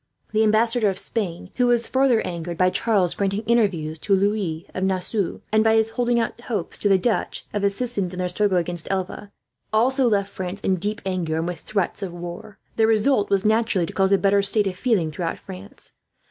The ambassador of Spain, who was further angered by Charles granting interviews to Louis of Nassau, and by his holding out hopes to the Dutch of assistance in their struggle against Alva, also left France in deep dudgeon, and with threats of war. The result was, naturally, to cause a better state of feeling throughout France.